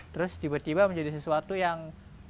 terus tiba tiba menjadi sesuatu yang